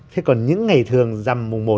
thế còn những ngày thường dằm mùng một